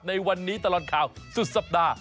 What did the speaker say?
ในวันนี้ตลอดข่าวสุดสัปดาห์